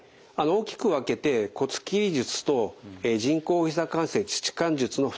大きく分けて骨切り術と人工ひざ関節置換術の２つの方法があります。